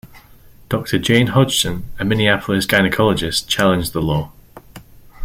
Doctor Jane Hodgson, a Minneapolis gynecologist, challenged the law.